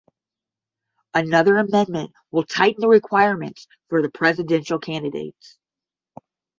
Another amendment will tighten the requirements for presidential candidates.